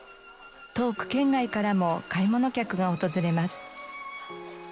遠く県外からも買い物客が訪れます。